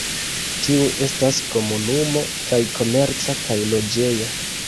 Tiu estas komunumo kaj komerca kaj loĝeja.